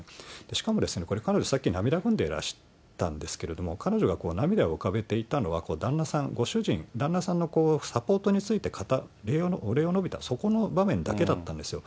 しかも、これ、さっき彼女涙ぐんでらしたんですが、彼女が涙を浮かべていたのは、旦那さん、ご主人、旦那さんのサポートについて語って、お礼を述べた、そこの場面だけだったんですよ。